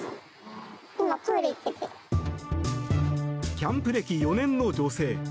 キャンプ歴４年の女性。